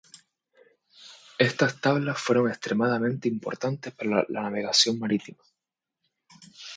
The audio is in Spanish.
Estas tablas fueron extremadamente importantes para la navegación marítima.